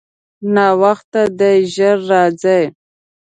ناوخته دی، ژر راځئ.